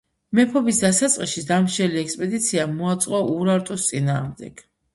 მეფობის დასაწყისში დამსჯელი ექსპედიცია მოაწყო ურარტუს წინააღმდეგ.